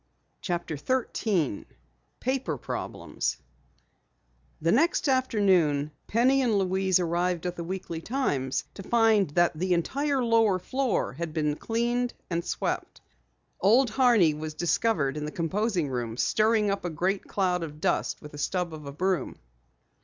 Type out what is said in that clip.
CHAPTER 13 PAPER PROBLEMS The next afternoon Penny and Louise arrived at the Weekly Times to find that the entire lower floor had been cleaned and swept. Old Horney was discovered in the composing room, stirring up a great cloud of dust with a stub of a broom.